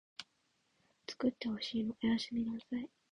つくってほしいのおやすみなさい